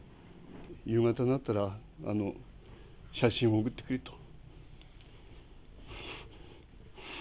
夕方になったら、写真を送ってくれと。